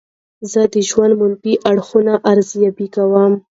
زه د ژوند منفي اړخونه ارزیابي کوم.